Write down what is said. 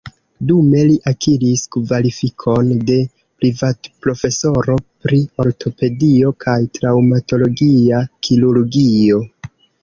Dume li akiris kvalifikon de privatprofesoro pri ortopedio kaj traŭmatologia kirurgio.